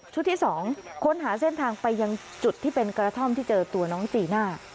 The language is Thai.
ที่๒ค้นหาเส้นทางไปยังจุดที่เป็นกระท่อมที่เจอตัวน้องจีน่า